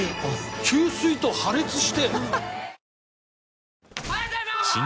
給水塔破裂して。